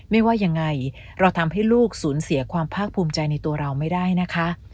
ว่ายังไงเราทำให้ลูกสูญเสียความภาคภูมิใจในตัวเราไม่ได้นะคะ